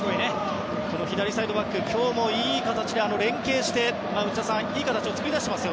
左サイドバックで今日もいい形で連係していい形を作り出しています。